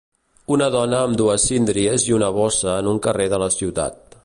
Una dona amb dues síndries i una bossa en un carrer de la ciutat.